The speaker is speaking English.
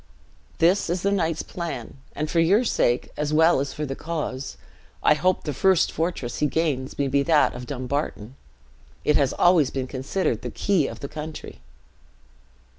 "This is the knight's plan; and for your sake, as well as for the cause. I hope the first fortress he gains may be that of Dumbarton. It has been always considered the key of the country."